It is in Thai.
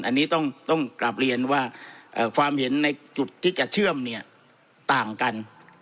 อันนี้ต้องกลับเรียนว่าความเห็นในจุดที่จะเชื่อมเนี่ยต่างกัน